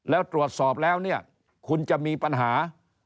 แล้วตรวจสอบแล้วเนี่ยคุณจะมีปัญหา